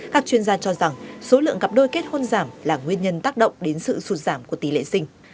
các chuyên gia cho rằng số lượng cặp đôi kết hôn giảm là nguyên nhân tác động đến sự sụt giảm của tỷ lệ sinh